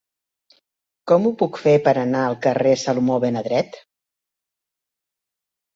Com ho puc fer per anar al carrer Salomó ben Adret